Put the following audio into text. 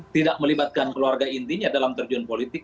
tidak melibatkan keluarga intinya dalam terjun politik